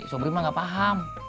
sobri mah nggak paham